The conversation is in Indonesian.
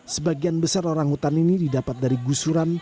sebagian besar orang hutan ini didapat dari gusuran